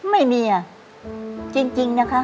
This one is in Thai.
ไม่มีอ่ะจริงนะคะ